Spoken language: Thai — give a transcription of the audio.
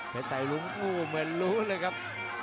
เพชรไตรุ้งอู้เหมือนรู้เลยครับ